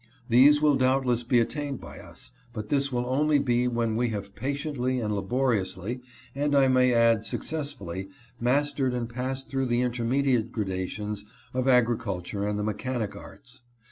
These will doubtless be attained by us ; but this will only be when we have patiently and laboriously, and I may add suc cessfully, mastered and passed through the intermediate gradations of agriculture and the mechanic arts.